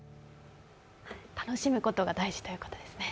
楽しむことが大事ということですね。